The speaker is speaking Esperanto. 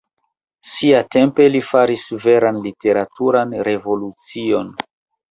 Siatempe li faris veran literaturan revolucion.